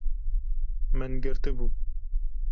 Min girtibû